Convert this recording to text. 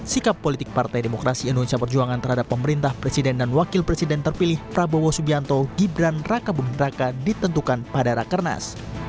sikap politik partai demokrasi indonesia perjuangan terhadap pemerintah presiden dan wakil presiden terpilih prabowo subianto gibran raka buming raka ditentukan pada rakernas